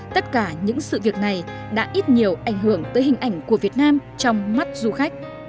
tất cả những sự việc này đã ít nhiều ảnh hưởng tới hình ảnh của việt nam trong mắt du khách